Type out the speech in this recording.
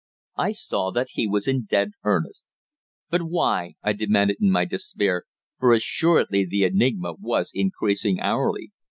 I saw that he was in dead earnest. "But why?" I demanded in my despair, for assuredly the enigma was increasing hourly.